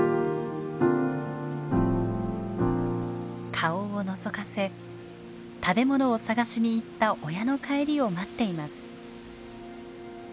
顔をのぞかせ食べ物を探しに行った親の帰りを待っています。